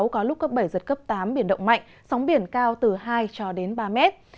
có lúc cấp bảy giật cấp tám biển động mạnh sóng biển cao từ hai cho đến ba mét